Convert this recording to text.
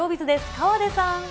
河出さん。